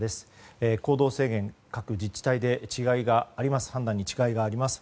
行動制限、各自治体で判断に違いがあります。